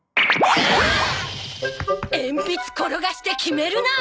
鉛筆転がして決めるな！